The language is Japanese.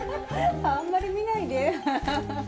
あまり見ないで。